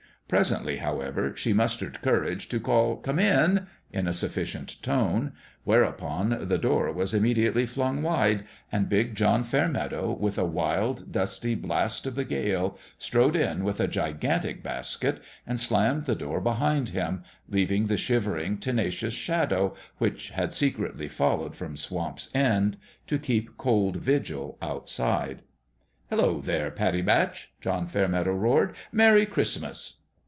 Presently, however, she mus tered courage to call " Come in !" in a sufficient tone : whereupon, the door was immediately flung wide, and big John Fairmeadow, with a wild, dusty blast of the gale, strode in with a gigantic basket, and slammed the door behind him, leaving the shivering, tenacious Shadow, which had secretly followed from Swamp's End, to keep cold vigil outside. " Hello, there, Pattie Batch !" John Fair meadow roared. " Merry Christmas